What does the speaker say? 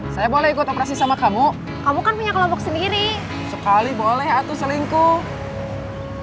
saya boleh ikut operasi sama kamu kamu kan punya kelompok sendiri sekali boleh atau selingkuh